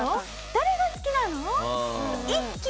誰が好きなの？」。